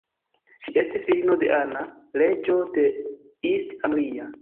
Ŝi estis filino de Anna, reĝo de East Anglia.